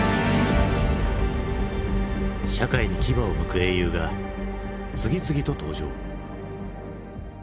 社会に牙をむく英雄が次々と登場。